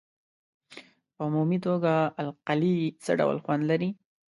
په عمومي توګه القلي څه ډول خوند لري؟